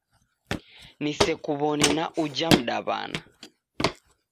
Nisekuw'one na uja mdaw'ana